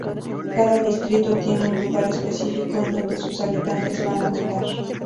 Cada distrito tiene un lugar específico en donde sus habitantes van a votar.